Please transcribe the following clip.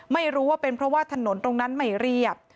ไม่รู้ว่าเป็นเพราะว่าถนนตรงนั้นไม่เรียบ